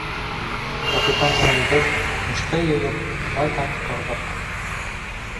Капитан менән беҙ, һушты юйып, байтаҡ торҙоҡ.